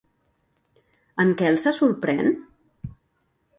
En Quel se sorprèn?